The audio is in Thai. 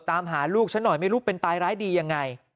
ตามหาลูกฉันหน่อยไม่รู้เป็นตายร้ายดียังไง